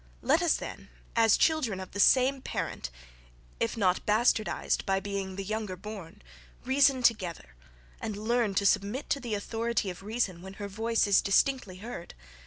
Let us then, as children of the same parent, if not bastardized by being the younger born, reason together, and learn to submit to the authority of reason when her voice is distinctly heard.